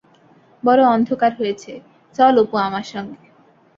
বড় অন্ধকার হয়েছে, চল অপু আমার সঙ্গে।